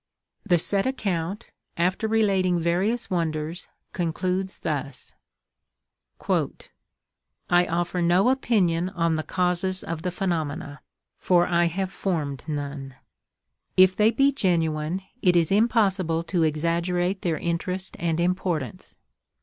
The said account, after relating various wonders, concludes thus: "I offer no opinion on the causes of the phenomena, for I have formed none. If they be genuine, it is impossible to exaggerate their interest and importance.